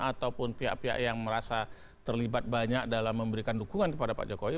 ataupun pihak pihak yang merasa terlibat banyak dalam memberikan dukungan kepada pak jokowi